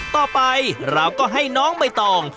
ต่อไปเราก็ให้น้องใบตอง